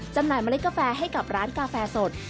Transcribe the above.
จำหน่ายเมล็ดกาแฟให้กับร้านกาแฟสด